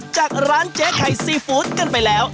จากร้านเจ๊ไข่ซีฟู้ดกันไปแล้ว